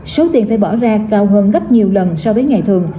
số tiền phải bỏ ra cao hơn gấp nhiều lần so với ngày thường